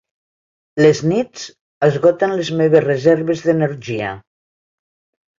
Les nits esgoten les meves reserves d'energia.